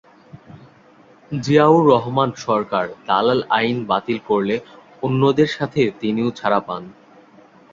জিয়াউর রহমান সরকার দালাল আইন বাতিল করলে অন্যদের সাথে তিনিও ছাড়া পান।